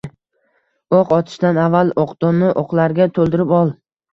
O’q otishdan avval o’qdonni o’qlarga to’ldirib ol.